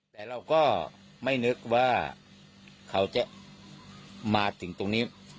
แต่เราก็ไม่นึกว่าเขาจะมาถึงตรงนี้